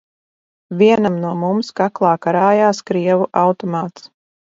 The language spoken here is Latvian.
Vienam no mums kaklā karājās krievu automāts.